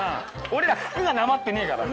俺ら服がなまってねぇから。